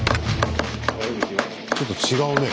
ちょっと違うね